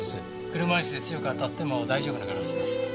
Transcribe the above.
車椅子で強く当たっても大丈夫なガラスです。